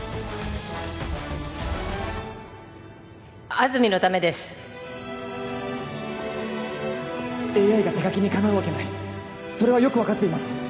安住のためですＡＩが手描きにかなうわけないそれはよく分かっています